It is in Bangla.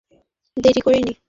আশা করি খুব দেরি করিনি।